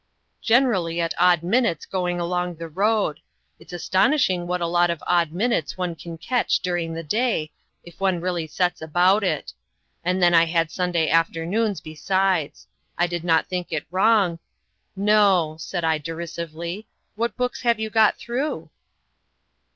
"Generally at odd minutes going along the road. It's astonishing what a lot of odd minutes one can catch during the day, if one really sets about it. And then I had Sunday afternoons besides. I did not think it wrong " "No," said I; decisively. "What books have you got through?"